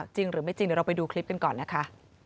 จริงเดี๋ยวเราไปดูคลิปกันก่อนนะคะ